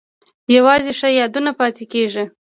یوازې ښه یادونه پاتې کیږي